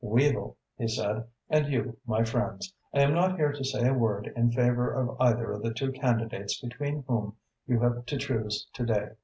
"Weavel," he said, "and you, my friends, I am not here to say a word in favour of either of the two candidates between whom you have to choose to day.